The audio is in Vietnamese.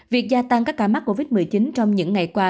việc gia tăng các ca mắc covid một mươi chín trong những ngày qua